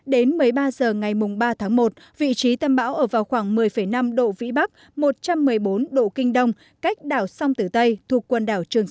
đến một mươi ba h ngày ba tháng một vị trí tâm bão ở vào khoảng một mươi năm độ vĩ bắc một trăm một mươi bốn độ kinh đông cách đảo sông tử tây thuộc quần đảo trường sa